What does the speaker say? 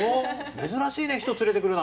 珍しいね人連れて来るなんて。